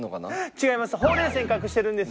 違います。